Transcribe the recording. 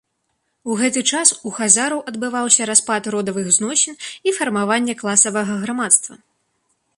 У гэты час у хазараў адбываўся распад родавых зносін і фармаванне класавага грамадства.